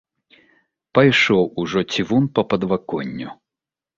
Пайшоў ужо цівун па падвоканню!